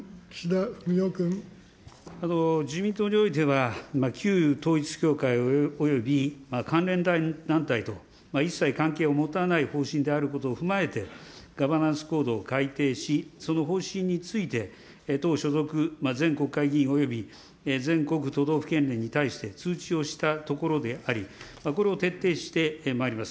自民党においては、旧統一教会および関連団体と一切関係を持たない方針であることを踏まえて、ガバナンス・コードを改定し、その方針について、党所属、全国会議員および全国都道府県連に対して、通知をしたところであり、これを徹底してまいります。